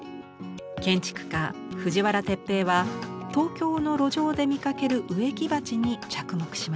建築家藤原徹平は東京の路上で見かける植木鉢に着目しました。